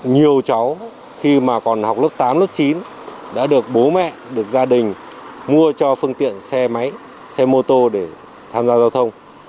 nhiều cháu khi mà còn học lớp tám lớp chín đã được bố mẹ được gia đình mua cho phương tiện xe máy xe mô tô để tham gia giao thông